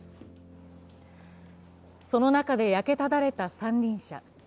その中で焼けただれた三輪車。